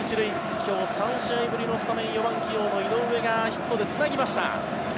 今日、３試合ぶりのスタメン４番起用の井上がヒットでつなぎました。